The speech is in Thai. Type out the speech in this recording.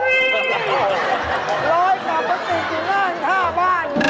ร้อยกับประตูกินแลกข้าบ้าน